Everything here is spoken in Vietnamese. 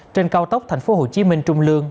trên cao tốc tp hcm trung lương